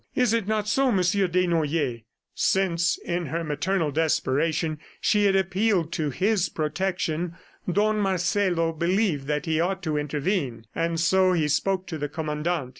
Is it not so, Monsieur Desnoyers?" Since, in her maternal desperation, she had appealed to his protection, Don Marcelo believed that he ought to intervene, and so he spoke to the Commandant.